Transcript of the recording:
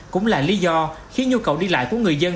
cũng là lý do khiến nhu cầu đi lại của người dân